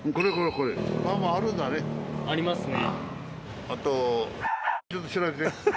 ありますね。